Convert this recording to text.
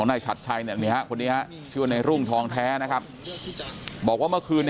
ไหนสะชายนี้ครับนี้ชื่อในรุ่งท้องแท้นะครับบอกว่าเมื่อคืน